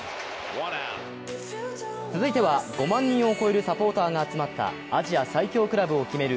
続いては５万人を超えるサポーターが集まったアジア最強クラブを決める